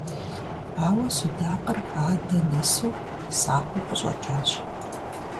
Ауэ судакъыр адэ нэсу, сакъыу къыщӀэкӀащ.